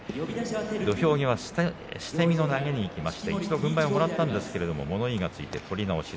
土俵際、捨て身の投げにいきまして一度、軍配をもらったんですが物言いがついて取り直し